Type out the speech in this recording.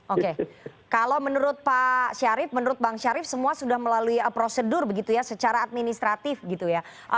oke kalau menurut pak syarif menurut bang syarif semua sudah melalui prosedur begitu ya secara administratif gitu ya